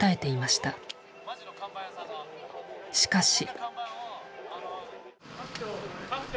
しかし。